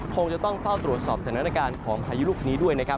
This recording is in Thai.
คงจะต้องเฝ้าตรวจสอบสถานการณ์ของพายุลูกนี้ด้วยนะครับ